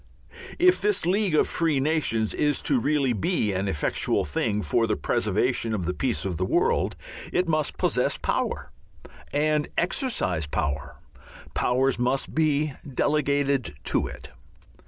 If this League of Free Nations is really to be an effectual thing for the preservation of the peace of the world it must possess power and exercise power, powers must be delegated to it.